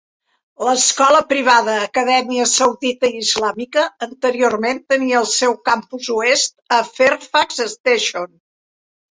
L'escola privada Acadèmia Saudita Islàmica anteriorment tenia el seu campus oest a Fairfax Station.